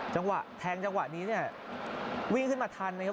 จังหวะแทงจังหวะนี้เนี่ยวิ่งขึ้นมาทันนะครับ